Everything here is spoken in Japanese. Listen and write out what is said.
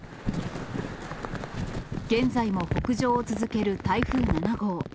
現在も北上を続ける台風７号。